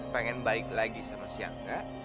pengen baik lagi sama si angga